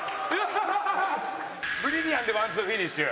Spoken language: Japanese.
ブリリアンでワンツーフィニッシュ。